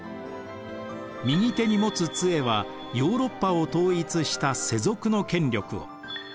右手に持つつえはヨーロッパを統一した世俗の権力を。